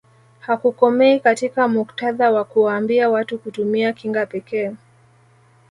Hakukomei katika muktadha wa kuwaambia watu kutumia kinga pekee